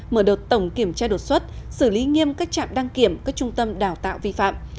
mở đợt tổng kiểm tra đột xuất xử lý nghiêm các trạm đăng kiểm các trung tâm đào tạo vi phạm